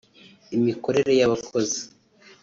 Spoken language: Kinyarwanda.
imikorere y’abakozi